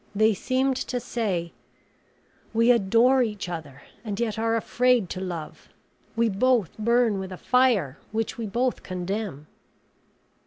They seemed to say, We adore each other and yet are afraid to love; we both burn with a fire which we both condemn.